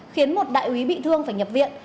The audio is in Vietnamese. khiến một đại úy bị thương phải nhập viện